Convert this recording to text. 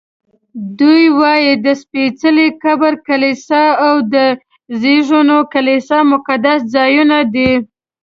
دوی وایي د سپېڅلي قبر کلیسا او د زېږون کلیسا مقدس ځایونه دي.